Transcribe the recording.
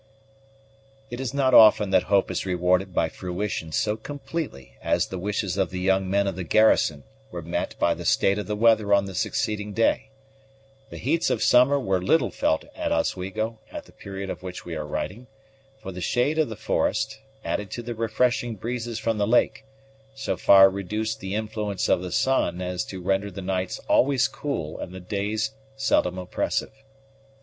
_ It is not often that hope is rewarded by fruition so completely as the wishes of the young men of the garrison were met by the state of the weather on the succeeding day. The heats of summer were little felt at Oswego at the period of which we are writing; for the shade of the forest, added to the refreshing breezes from the lake, so far reduced the influence of the sun as to render the nights always cool and the days seldom oppressive.